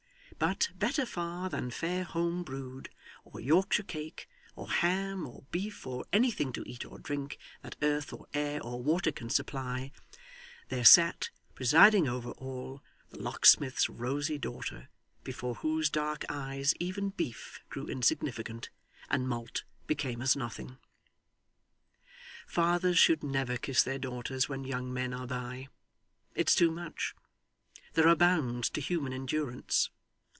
But, better far than fair home brewed, or Yorkshire cake, or ham, or beef, or anything to eat or drink that earth or air or water can supply, there sat, presiding over all, the locksmith's rosy daughter, before whose dark eyes even beef grew insignificant, and malt became as nothing. Fathers should never kiss their daughters when young men are by. It's too much. There are bounds to human endurance.